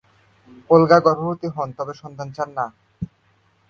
Olga গর্ভবতী হন তবে সন্তান চান না।